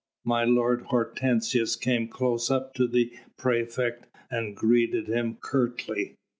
My lord Hortensius came close up to the praefect and greeted him curtly.